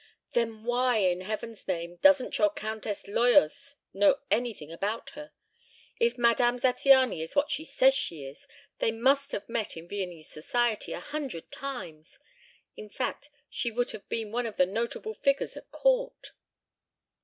"Then why, in heaven's name, doesn't your Countess Loyos know anything about her? If Madame Zattiany is what she says she is, they must have met in Viennese Society a hundred times. In fact she would have been one of the notable figures at court."